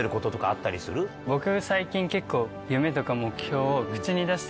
僕最近結構。